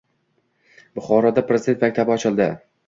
Buxoroda Prezident maktabi ochilding